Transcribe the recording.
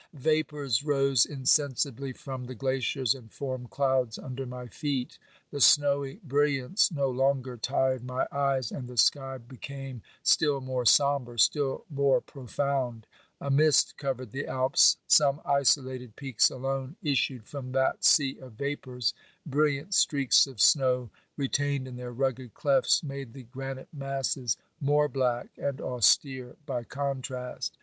Vapours rose insensibly from the glaciers and formed clouds under my feet. The snowy brilliance no longer tired my eyes, and the sky became still more sombre, still more profound. A mist covered the Alps ; some isolated peaks alone issued from that sea of vapours; brilliant streaks of snow retained in their rugged clefts made the granite masses more black and austere by contrast.